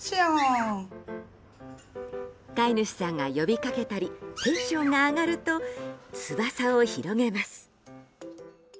飼い主さんが呼びかけたりテンションが上がると翼を広げます。